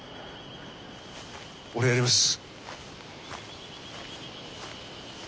俺やります。